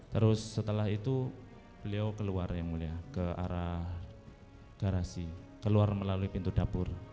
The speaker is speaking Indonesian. terus setelah itu beliau keluar yang mulia ke arah garasi keluar melalui pintu dapur